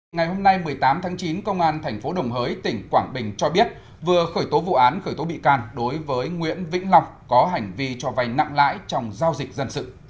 ngày hôm nay một mươi tám tháng chín công an tp đồng hới tỉnh quảng bình cho biết vừa khởi tố vụ án khởi tố bị can đối với nguyễn vĩnh long có hành vi cho vay nặng lãi trong giao dịch dân sự